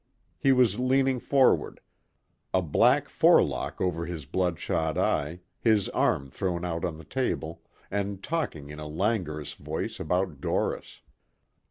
He was leaning forward, a black forelock over his bloodshot eye, his arm thrown out on the table, and talking in a languorous voice about Doris.